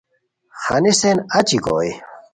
ہینسین اچی گوئے